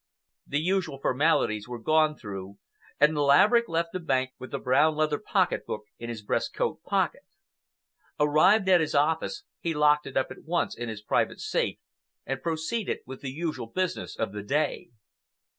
The usual formalities were gone through, and Laverick left the bank with the brown leather pocket book in his breast coat pocket. Arrived at his office, he locked it up at once in his private safe and proceeded with the usual business of the day.